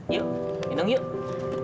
yuk gendong yuk